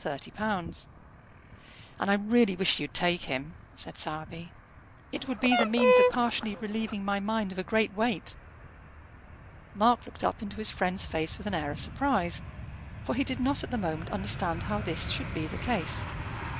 "And I really wish you'd take him," said Sowerby. "It would be the means of partially relieving my mind of a great weight." Mark looked up into his friend's face with an air of surprise, for he did not at the moment understand how this should be the case.